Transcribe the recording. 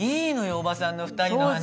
おばさんの２人の話は。